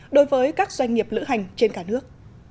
đối với các doanh nghiệp lữ hành trên cả nước